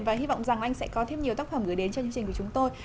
và hy vọng rằng anh sẽ có thêm nhiều tác phẩm gửi đến chương trình của chúng tôi